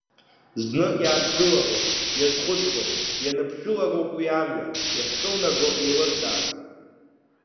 Зны иааҭгылароуп, иазхәыцроуп, напыԥшылароуп уи амҩа иахькылнаго еилыркаарц.